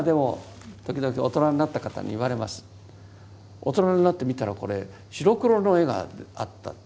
大人になって見たらこれ白黒の絵があった。